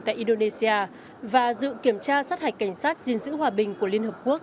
tại indonesia và dự kiểm tra sát hạch cảnh sát gìn giữ hòa bình của liên hợp quốc